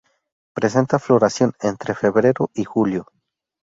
Presenta floración entre febrero y julio.